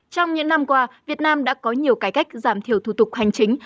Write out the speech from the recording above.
trong những năm qua việt nam đã có nhiều cải cách giảm thiểu thủ tục hành chính